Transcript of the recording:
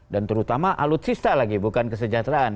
dan terutama alutsista lagi bukan kesejahteraan